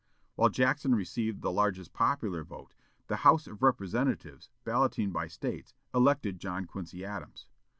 While Jackson received the largest popular vote, the House of Representatives, balloting by States, elected John Quincy Adams.